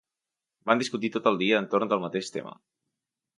Van discutir tot el dia entorn del mateix tema.